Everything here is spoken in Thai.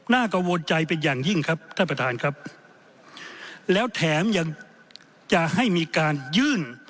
น่ากังวลใจเป็นอย่างยิ่งครับท่านประธานครับแล้วแถมยังจะให้มีการยื่น